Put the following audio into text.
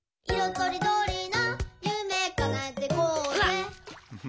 とりどりなゆめかなえてこうぜ！」